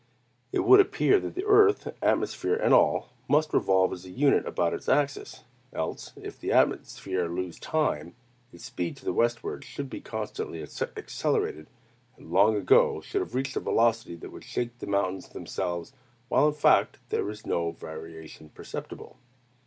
It would appear that the earth, atmosphere and all, must revolve as a unit about its axis; else, if the atmosphere lose time, its speed to the westward should be constantly accelerated, and long ago should have reached a velocity that would shake the mountains themselves; while, in fact, there is no variation perceptible.